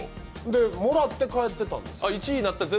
もらって帰ってたんですよ。